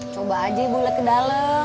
coba aja ibu liat ke dalem